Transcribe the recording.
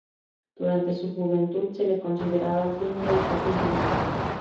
Durante su juventud se le consideraba tímido y poco inteligente.